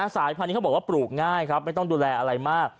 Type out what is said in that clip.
สายพันธุ์เขาบอกว่าปลูกง่ายครับไม่ต้องดูแลอะไรมาก